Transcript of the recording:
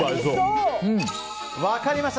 分かりました。